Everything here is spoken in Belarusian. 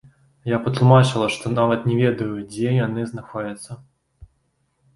Я патлумачыла, што нават не ведаю, дзе яны знаходзяцца.